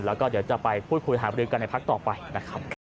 แล้วก็เดี๋ยวจะไปพูดคุยหาบริกันในพักต่อไปนะครับ